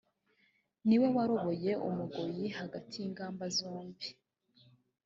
Ni we waroboye Umugoyi hagati y’ingamba zombi